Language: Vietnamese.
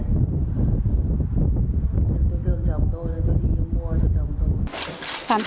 tôi dường chồng tôi tôi đi mua cho chồng tôi